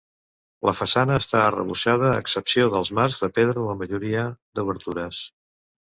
La façana està arrebossada, a excepció dels marcs de pedra de la majoria d'obertures.